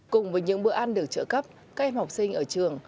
cùng với những bữa ăn được trợ cấp các em học sinh ở trường